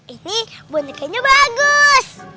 ini bonekanya bagus